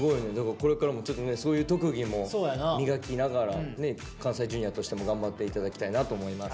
これからもちょっとねそういう特技も磨きながら関西Ｊｒ．としても頑張って頂きたいなと思います。